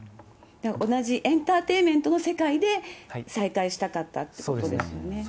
同じエンターテインメントの世界で再会したかったということそうです。